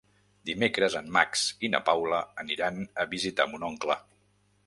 Dimecres en Max i na Paula aniran a visitar mon oncle.